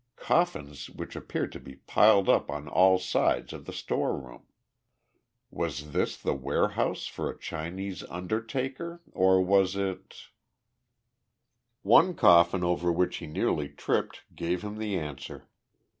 Coffins which appeared to be piled up on all sides of the storeroom. Was this the warehouse for a Chinese undertaker or was it One coffin over which he nearly tripped gave him the answer.